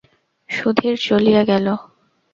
সুধীর চলিয়া গেল।